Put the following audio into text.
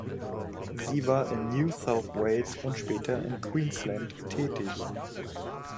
Sie war in New South Wales und später in Queensland tätig.